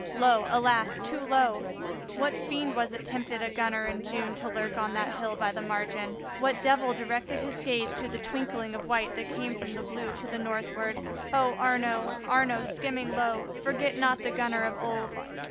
Low, alas! too low! What fiend was it tempted a gunner in June to lurk on that hill by the margin? what devil directed his gaze to the twinkling of white that came from the blue to the northward? Oh, Arnaux, Arnaux, skimming low, forget not the gunner of old!